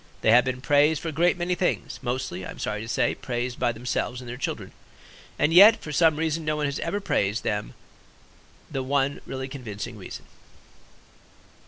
They have been praised for a great many things, mostly, I am sorry to say, praised by themselves and their children. And yet for some reason no one has ever praised them the one really convincing reason.